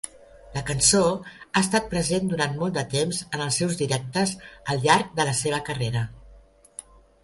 La cançó ha estat present durant molt de temps en els seus directes al llarg de la seva carrera.